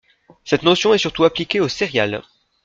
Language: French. Cette notion est surtout appliquée aux céréales.